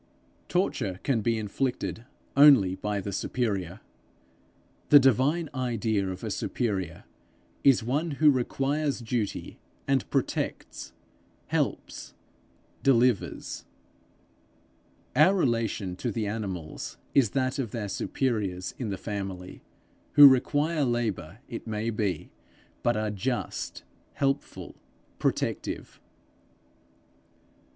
Torture can be inflicted only by the superior. The divine idea of a superior, is one who requires duty, and protects, helps, delivers: our relation to the animals is that of their superiors in the family, who require labour, it may be, but are just, helpful, protective.